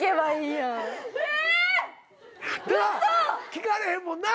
聞かれへんもんな！